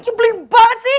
ghibling banget sih